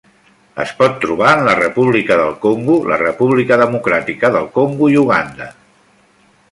Es pot trobar en la República del Congo, la República Democràtica del Congo i Uganda.